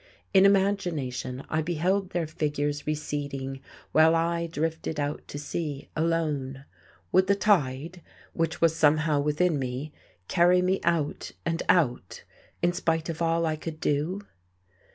In imagination I beheld their figures receding while I drifted out to sea, alone. Would the tide which was somehow within me carry me out and out, in spite of all I could do?